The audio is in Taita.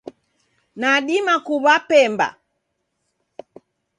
Nadima kuwa pemba